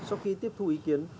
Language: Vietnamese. sau khi tiếp thu ý kiến